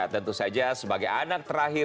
tentu saja sebagai anak terakhir